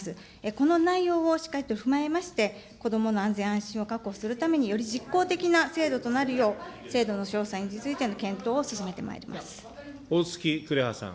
この内容をしっかりと踏まえまして、子どもの安全安心を確保するためにより実効的な制度となるよう、制度の詳細についての検討をおおつき紅葉さん。